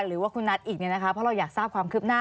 หรือว่าคุณนัทอีกเนี่ยนะคะเพราะเราอยากทราบความคืบหน้า